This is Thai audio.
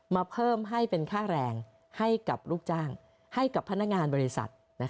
มาเพิ่มให้เป็นค่าแรงให้กับลูกจ้างให้กับพนักงานบริษัท